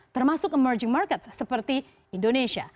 termasuk emerging markets seperti indonesia